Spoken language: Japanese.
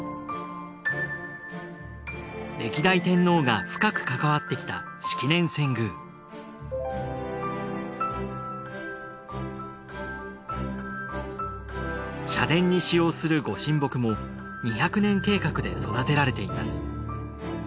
歴代天皇が深く関わってきた式年遷宮社殿に使用する御神木も２００年計画で育てられています。